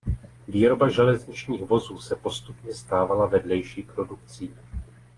Výroba železničních vozů se postupně stávala vedlejší produkcí.